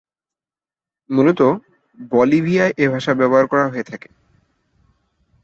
মূলতঃ বলিভিয়ায় এ ভাষা ব্যবহার করা হয়ে থাকে।